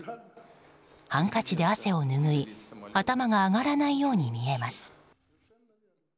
ハンカチで汗を拭い頭が上がらないように見えます。